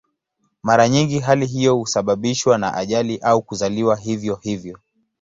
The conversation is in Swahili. Mara nyingi hali hiyo husababishwa na ajali au kuzaliwa hivyo hivyo.